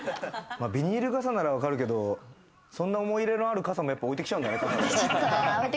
ビニール傘なら分かるけど、そんな思い入れのある傘も置いてきちゃうんだね。